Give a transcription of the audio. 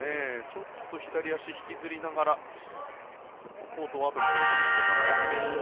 ちょっと左足、引きずりながらコートを後にするかもしれません。